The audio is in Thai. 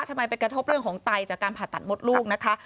ทำไมไปกระทบเรื่องของไตจากการผ่าตัดมดลูกนะคะ